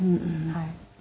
はい。